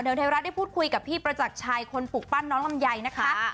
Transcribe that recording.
เดี๋ยวไทยรัฐได้พูดคุยกับพี่ประจักรชัยคนปลูกปั้นน้องลำไยนะคะ